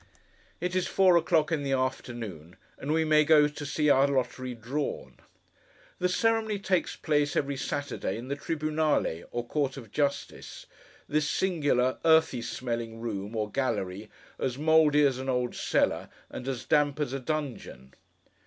It is four o'clock in the afternoon, and we may go to see our lottery drawn. The ceremony takes place every Saturday, in the Tribunale, or Court of Justice—this singular, earthy smelling room, or gallery, as mouldy as an old cellar, and as damp as a dungeon.